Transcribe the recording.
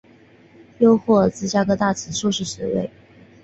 又获芝加哥大学硕士学位。